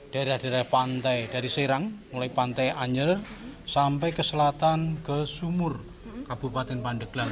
daerah daerah pantai dari serang mulai pantai anyer sampai ke selatan ke sumur kabupaten pandeglang